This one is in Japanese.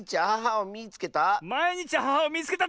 「まいにちアハハをみいつけた！」？